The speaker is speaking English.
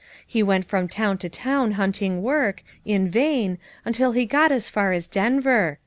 He went from town to town hunting work, in vain, until he got as far as Denver.